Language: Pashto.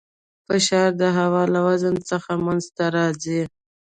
فشار د هوا له وزن څخه منځته راځي.